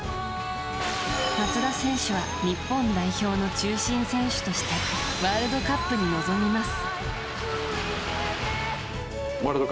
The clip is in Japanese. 松田選手は日本代表の中心選手としてワールドカップに臨みます。